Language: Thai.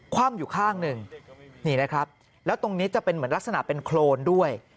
คว่ำอยู่ข้างหนึ่งนี่นะครับแล้วตรงนี้จะเป็นเหมือนลักษณะเป็นโครนด้วย